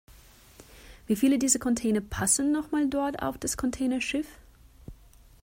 Wie viele dieser Container passen noch mal dort auf das Containerschiff?